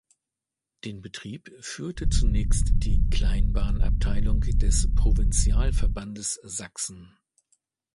Den Betrieb führte zunächst die Kleinbahnabteilung des Provinzialverbandes Sachsen.